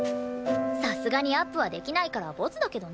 さすがにアップはできないからボツだけどね。